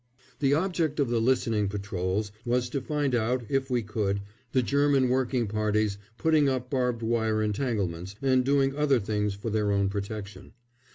The object of the "listening patrols" was to find out, if we could, the German working parties putting up barbed wire entanglements and doing other things for their own protection.